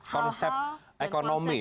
konsep ekonomi ya